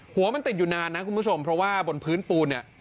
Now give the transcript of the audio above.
หัวมันติดอยู่นานนะคุณผู้ชมเพราะว่าบนพื้นปูนเนี่ย